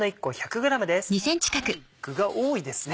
かなり具が多いですね。